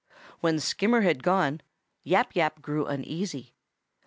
When Skimmer had gone, Yap Yap grew uneasy.